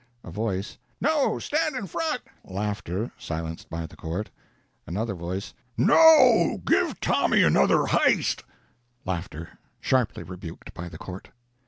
A Voice: "No, stand in front!" (Laughter. Silenced by the court.) Another Voice: "No, give Tommy another highst!" (Laughter. Sharply rebuked by the court.)